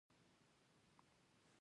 د جنازې پورته کول فرض کفایي دی.